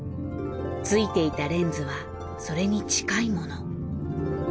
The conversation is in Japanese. ついていたレンズはそれに近いもの。